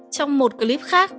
trong một clip khác